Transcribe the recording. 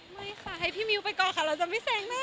ไม่ค่ะให้พี่มิ้วไปก่อนค่ะเราจะไม่แซงหน้า